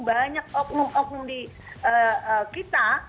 banyak oknum oknum di kita